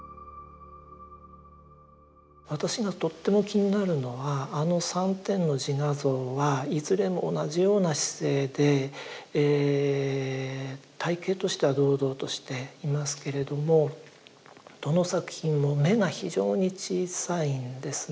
私がとっても気になるのはあの３点の自画像はいずれも同じような姿勢で体形としては堂々としていますけれどもどの作品も眼が非常に小さいんですね。